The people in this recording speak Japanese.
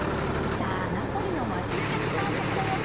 さあナポリの街なかに到着だよ。